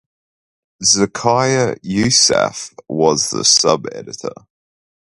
Zakia Yousaf was the sub-editor.